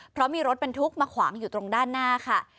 เพราะมีรถบรรทุกมาขวางอยู่ตรงด้านหน้าค่ะ